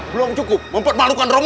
belum cukup mempermalukan romomu